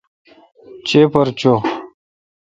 چیپر چو۔